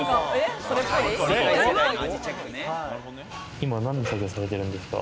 今、何の作業されてるんですか？